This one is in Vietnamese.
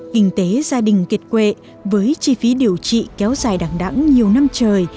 kinh tế gia đình kiệt quệ với chi phí điều trị kéo dài đàng đẳng nhiều năm trời